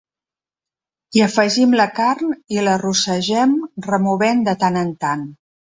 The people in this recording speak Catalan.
Hi afegim la carn i la rossegem removent de tant en tant.